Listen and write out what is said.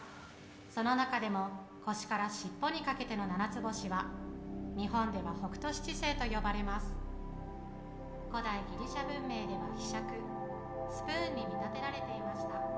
その中でも腰から尻尾にかけての七つ星は日本では北斗七星と呼ばれます古代ギリシャ文明では柄杓スプーンに見立てられていました